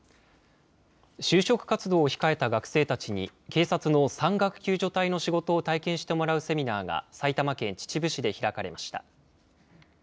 就職活動を控えた学生たちに、警察の山岳救助隊の仕事を体験してもらうセミナーが埼玉県秩父市で開かれました。